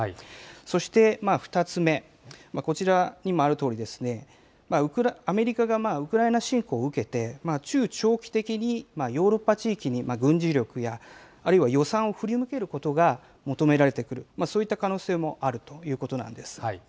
そして２つ目、こちらにもあるとおり、アメリカがウクライナ侵攻を受けて、中長期的にヨーロッパ地域に軍事力や、あるいは予算を振り向けることが求められてくる、そういった可能性もあるということなんです。